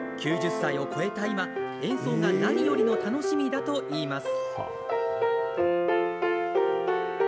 ９０歳を超えた今、演奏が何よりの楽しみだといいます。